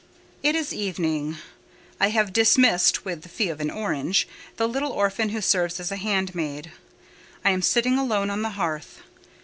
It is evening. I have dismissed, with the fee of an orange, the little orphan who serves me as a handmaid. I am sitting alone on the hearth.